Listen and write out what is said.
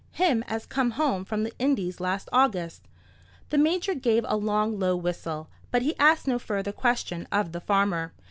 Him as come home from the Indies last August." The Major gave a long low whistle; but he asked no further question of the farmer.